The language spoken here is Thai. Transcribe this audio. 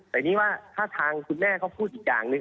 แต่นี้ว่าค่าทางคุณแม่เขาพูดอีกอย่างนึง